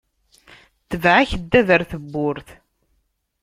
Tbeɛ akeddab ɣer tebburt.